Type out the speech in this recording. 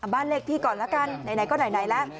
บ้านเลขที่ก่อนละกันไหนก็ไหนแล้ว